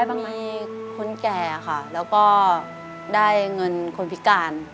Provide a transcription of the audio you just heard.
บางทีคนแก่ค่ะแล้วก็ได้เงินคนพิการ